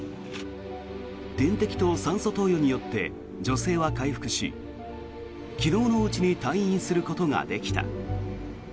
点滴と酸素投与によって女性は回復し昨日のうちに退院することができた。